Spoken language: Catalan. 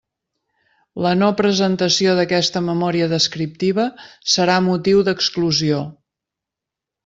La no presentació d'aquesta memòria descriptiva serà motiu d'exclusió.